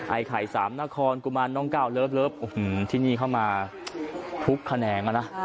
ไอไข่สามนครกุมารน้องก้าวเลิฟเลิฟโอ้โหที่นี่เข้ามาทุกคะแนนก็นะ